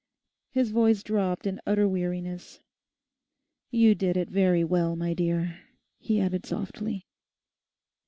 His voice dropped in utter weariness. 'You did it very well, my dear,' he added softly.